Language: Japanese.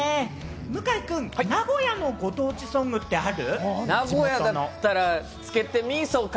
向井君、名古屋のご当地ソングってある？